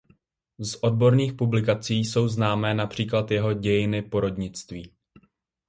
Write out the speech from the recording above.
Z odborných publikací jsou známé například jeho "Dějiny porodnictví".